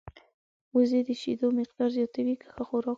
وزې د شیدو مقدار زیاتوي که ښه خوراک ولري